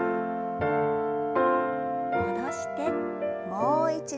戻してもう一度。